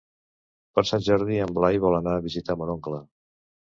Per Sant Jordi en Blai vol anar a visitar mon oncle.